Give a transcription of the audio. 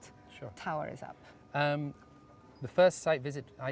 pernah saya melawat tempat pertama di sini